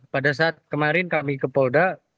pada saat kemarin kami ke polda